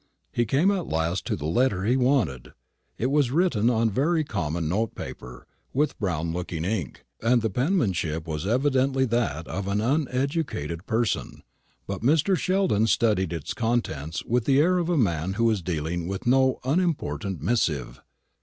He came at last to the letter he wanted. It was written on very common note paper, with brown looking ink, and the penmanship was evidently that of an uneducated person; but Mr. Sheldon studied its contents with the air of a man who is dealing with no unimportant missive.